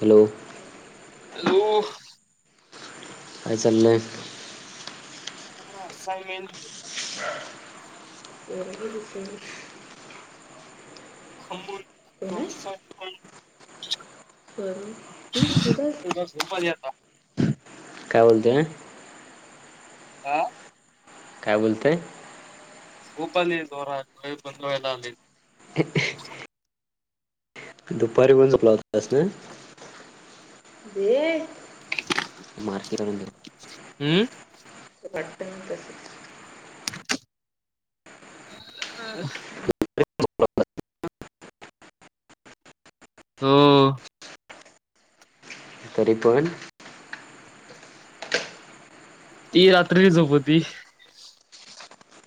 Hello. Hello. काय चलय? [unintelligible] वर दिसतय. खंबून ब [inaudible] करु तूच सहज. झोपाली आता काय बोलतेय? हा. काय बोलतय. भूपाल दोरो खाय बदलाला आलेत. ह [unintelligible] दुपारी पण झोपला होतास ना हे मारकी मांजर. हम्म. वाटतय तसच. हा आ. ते [unintelligible] हो. तरी पण. ती रात्री झोपती.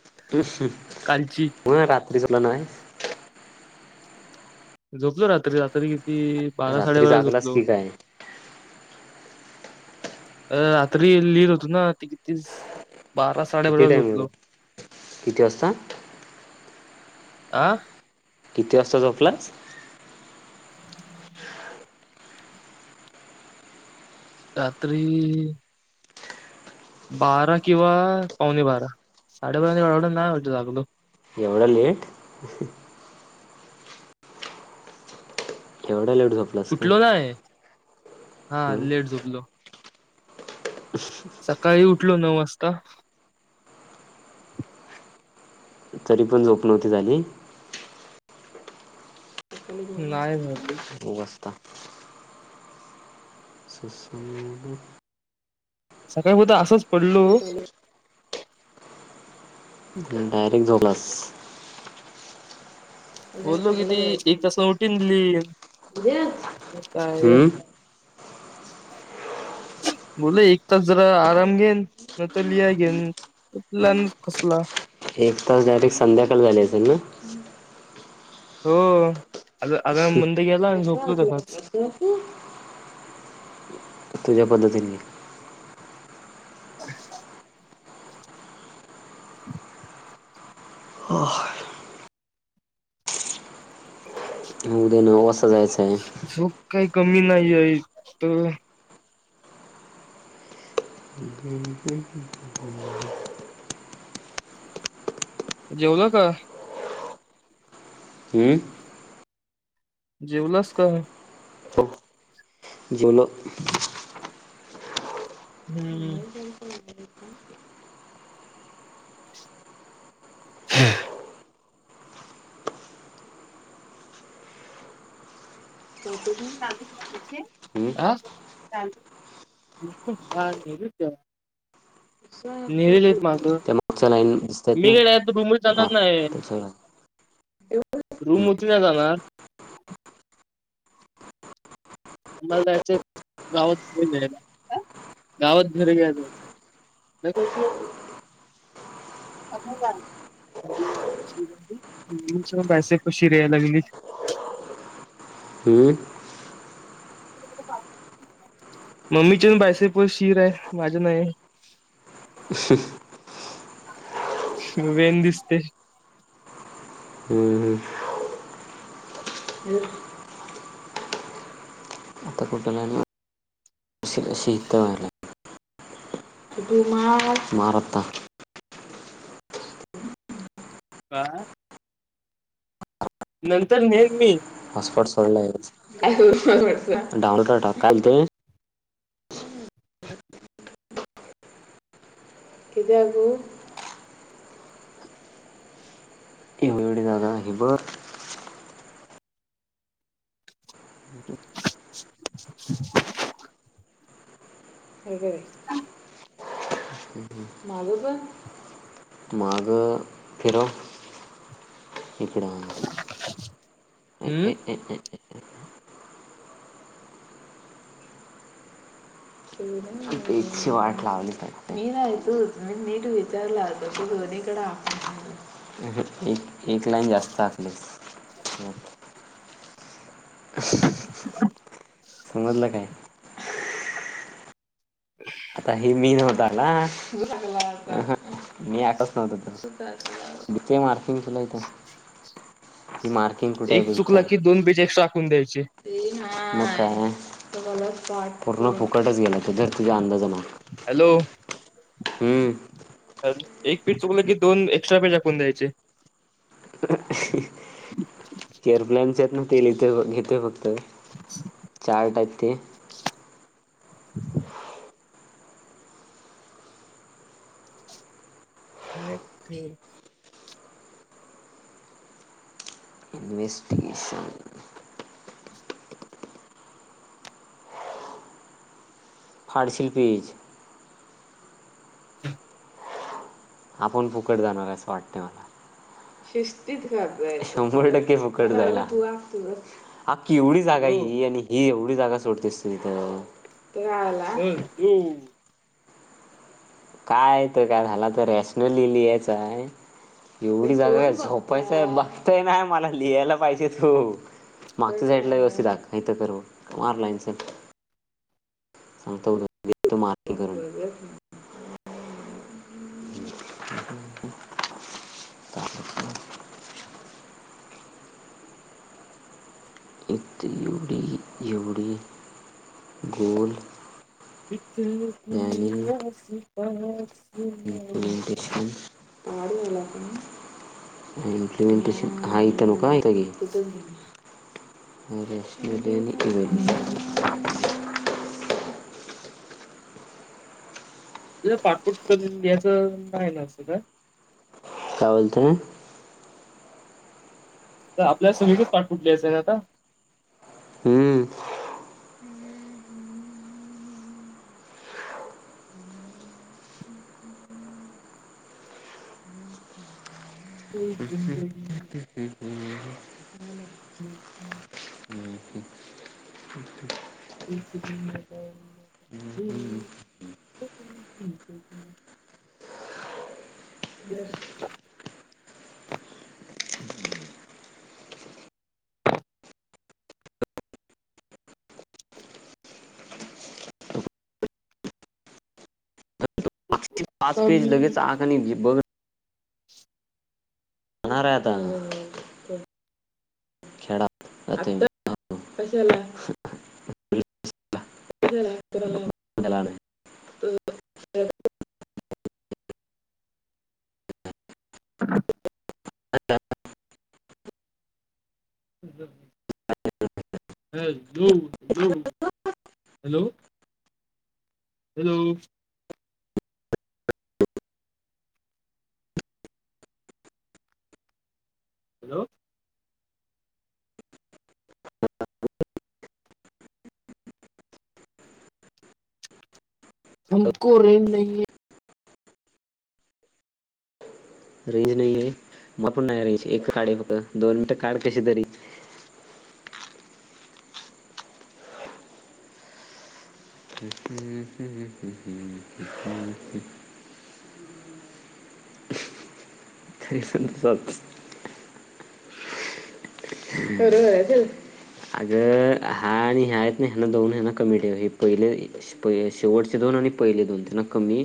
ह ह कालची. ते जमलं नाय. झोपलो रात्री रात्री. ते बारा रात्री साडेबारा जागलास झोपलो. की काय अ रात्री लिहित होतो ना ते कितीस. किती टाइम मिळत किती वाजता? आह किती वाजता झोपलास रात्री बारा किंवा पावणे बारा साडेबाराने एवढ वेळ नाही होत जगलो एवढं लेट खेवळ लेट झोपलास का उठलो नाही हा लेट झोपलो सकाळी उठलो नऊ वाजता तरी पण झोप नव्हती झाली नाही झालं अवस्था सस सकाळी उद असंच फल्लू कॉलेज डायरेक्ट झोलास बोललो किती द्यायचं एक तास उटीन दिल्ली हम्म बोला एक तास जरा आराम घेन न तर लिया घेन लहान फसला एक तास डायरेक्ट संध्याकाळी झाले असेल ना हो आ आग मुंदे गेला आणि झोपलो तसत सू तुझ्या पद्धतीने उद ना जायचे झोप काही कमी नाही आहे तर जेवलं का हम्म जेवलास का जलग हम्मम् हा हम्म ह नरलेत माझू त्या मागच्या लाईन दिसतायत ना मीकडे रुमर फार जाणार नाही त्याच्यावर आहे. रूम होती का जाणार आम्हाला जायचंय गावात घरीयला गावात घरी गेयला जायचंय कशीरयला लागली हम्म मम्मीच्यान बायसे पण शिर आहे माझं नाही वेन दिसते हम्म हम्म शहीतवाला भमा मारता का नंतर नेन मी हॉसपॉट सडलाय डावलड ढ कायल ते कद्याक एव एवढ जादा हिबर हे काय हम माझं पण माग फिरव इकडं हम्म [inaudible] वाट लावली मी नाही नीट विचारलं दोडे एक एक लाईन जास्त आलीस [inaudible] समजलं काय [inaudible] आता हे मी नव्हत आला हं हं मी आताच नव्हत [unintelligible] एक चुकला की दोन बीज [unintelligible] टाकून द्यायचे म काय पूर्ण- फुकटच गेलं ते धरतीच्या अंदाजान हॅलो हम्म एक पेज चुकलं की दोन एक्स्ट्रा पेज टाकून द्यायचे. [inaudible] तेल इथ घेतय फक्त चार टाईप ते [inaudible] इन्वेस्टियसन फाडशील पेज [inaudible] आपण फुकट जाणार असं वाटतंय मला [unintelligible] शंभर टक्के फुकट जायला हां केवढी जागा आहे ही आणि ही एव् वढी जागा सोडतेस तू इथं तर आला अ तू काय इथं काय झाला तर रॅशनली लिहायचं आहे एवढी जागा झोपायचं आहे बघतोय ना मला लिहायला पाहिजेत ओ. मागच्या साईडला व्यवस्थित आखा इथं तर कर मार लाईनच सांगता [unintelligible] मार्किंग करून घे. का इथं एवढी एवढी गोल इथं कुणी प्लॅनिंग आस पास ना! इम्प्लिमेंटेशन हाय तनु काय? [inaudible] हो नाही [unintelligible] [inaudible] त पाठपुठ करून घ्यायचं न्हाई ना सगळं? [inaudible] काय बोलते आ आपल्याला सगळीकडच पाठपुठ लिहायचं ना आता. हम्म यह झिंदगी हम्म हम्म [inaudible] [inaudible] पाच पेज लगेच आज [unintelligible] बघ होणार आहे आता खेळा जातोय मी. कशाला त्याला आणाय. [inaudible] [inaudible] हॅलो जो हॅलो हॅलो हॅलो हमको रेंज नहीे हे रेंज नाही आहे [unintelligible] नाही रेंज एक काढी आहे फक्त दोन मिट काढ कशे तरी [unintelligible] [inaudible] [unintelligible] [inaudible] [inaudible] अग हा आणि ह्या आहेत ना हना दोन हना कमी ठेवा हे पहिले शेवटचे दोन आणि पहिले दोन त्यांना कमी